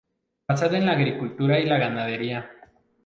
Basada en la agricultura y la ganadería.